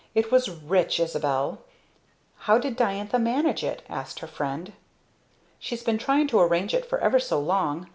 it was rich, Isabel." "How did Diantha manage it?" asked her friend. "She's been trying to arrange it for ever so long.